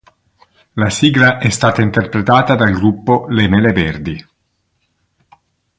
La sigla è stata interpretata dal gruppo Le Mele Verdi.